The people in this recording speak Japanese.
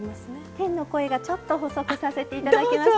天の声がちょっと補足させて頂きますと。